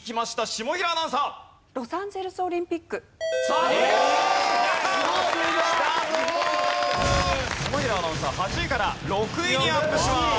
下平アナウンサー８位から６位にアップします。